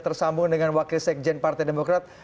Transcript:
tersambung dengan wakil sekjen partai demokrat